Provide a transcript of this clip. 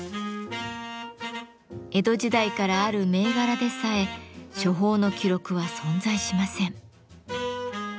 江戸時代からある銘柄でさえ処方の記録は存在しません。